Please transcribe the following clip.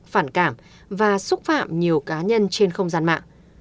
phản cảm và xúc phạm nhiều cá nhân trên không gian mạng